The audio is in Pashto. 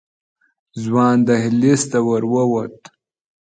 ځوان دهلېز ته ورو ووت.